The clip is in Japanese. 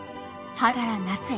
春から夏へ。